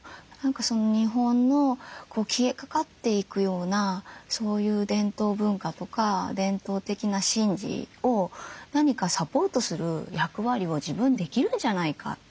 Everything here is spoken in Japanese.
日本の消えかかっていくようなそういう伝統文化とか伝統的な神事を何かサポートする役割を自分できるんじゃないかって。